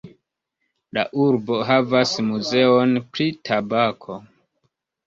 La urbo havas muzeon pri tabako.